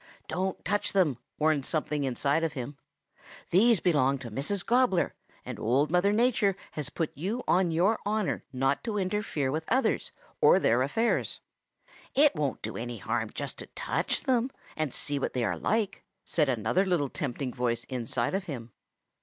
"'Don't touch them,' warned something inside of him. 'These belong to Mrs. Gobbler, and Old Mother Nature has put you on your honor not to interfere with others or their affairs.' "'It won't do any harm just to touch them and see what they are like,' said another little tempting voice inside of him.